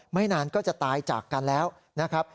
นานก็จะตายจากกันแล้วนะครับ